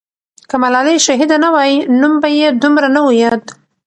که ملالۍ شهیده نه وای، نوم به یې دومره نه وو یاد.